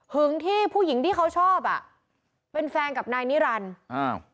ึงที่ผู้หญิงที่เขาชอบอ่ะเป็นแฟนกับนายนิรันดิ์อ้าว